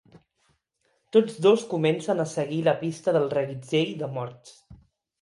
Tots dos comencen a seguir la pista del reguitzell de morts.